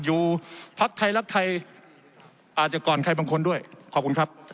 พักไทยรักไทยอาจจะก่อนใครบางคนด้วยขอบคุณครับ